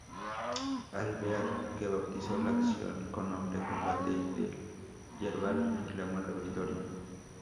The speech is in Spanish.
Alvear, que bautizó la acción con nombre Combate del Yerbal, reclamó la victoria.